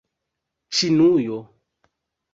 Ĉinujo